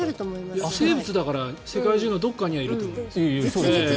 生物だから世界中のどこかにはいると思います。